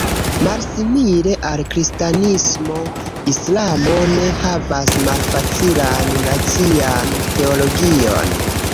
Malsimile al kristanismo, islamo ne havas malfacilan racian teologion.